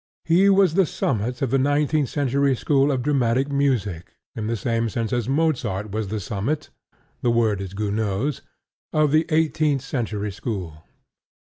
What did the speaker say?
He was the summit of the nineteenth century school of dramatic music in the same sense as Mozart was the summit (the word is Gounod's) of the eighteenth century school.